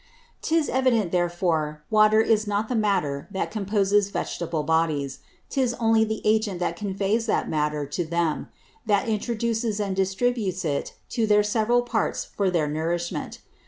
'Tis evident therefore Water is not the Matter that composes Vegetable Bodies. 'Tis only the Agent that conveys that Matter to them; that introduces and distributes it to their several Parts for their Nourishment.